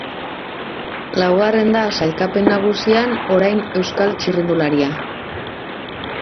Laugarren da sailkapen nagusian orain euskal txirrindularia.